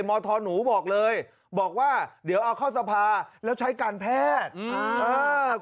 มธหนูบอกเลยบอกว่าเดี๋ยวเอาเข้าสภาแล้วใช้การแพทย์